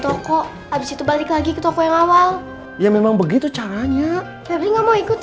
toko abis itu balik lagi ke toko yang awal ya memang begitu caranya ferry nggak mau ikut